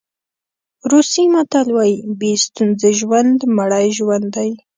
روسي متل وایي بې ستونزې ژوند مړی ژوند دی.